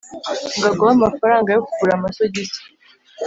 ngo aguhe amafaranga yo kugura amasogisi